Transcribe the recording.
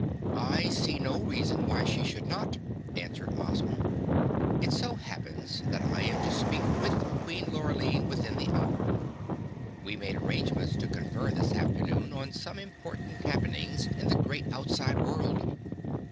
"I see no reason why she should not," answered Ozma. "It so happens that I am to speak with Queen Lurline within the hour. We made arrangements to confer this afternoon on some important happenings in the great outside world.